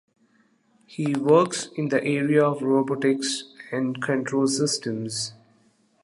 He works in the area of Robotics and Control Systems.